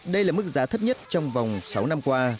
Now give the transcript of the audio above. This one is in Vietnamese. đây là mức giá thấp nhất trong vòng sáu năm qua